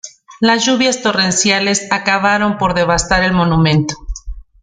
Las lluvias torrenciales acabaron por devastar el monumento.